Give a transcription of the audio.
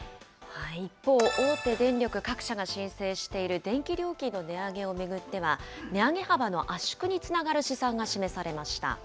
一方、大手電力各社が申請している電気料金の値上げを巡っては、値上げ幅の圧縮につながる試算が示されました。